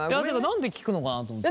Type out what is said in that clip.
なんで聞くのかなと思って。